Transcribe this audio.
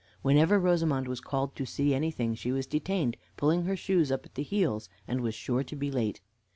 Whenever Rosamond was called to see anything, she was detained pulling her shoes up at the heels, and was sure to be too late.